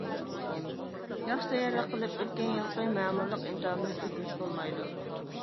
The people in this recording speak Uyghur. ياخشى تەييارلىق قىلىپ ئۆتكەن يىلقى مەمۇرلۇق ئىمتىھانىدىن ئۆتمىسە بولمايدۇ.